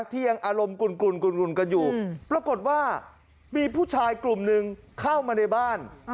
ที่ยังอารมณ์กลุ่นกันอยู่ปรากฏว่ามีผู้ชายกลุ่มหนึ่งเข้ามาในบ้าน